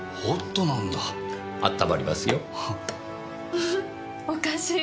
フフおかしい。